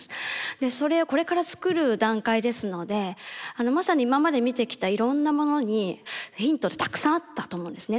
でそれをこれから作る段階ですのでまさに今まで見てきたいろんなものにヒントたくさんあったと思うんですよね。